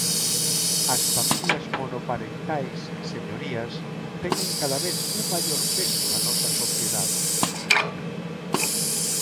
As familias monoparentais, señorías, teñen cada vez un maior peso na nosa sociedade.